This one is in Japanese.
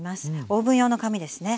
オーブン用の紙ですね。